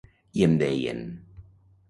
I em deien: